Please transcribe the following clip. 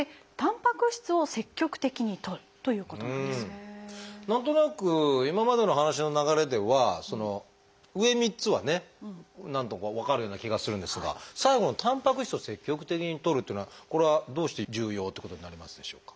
要点を見ていきますとまずは何となく今までの話の流れでは上３つはね分かるような気がするんですが最後の「たんぱく質を積極的にとる」というのはこれはどうして重要ということになりますでしょうか？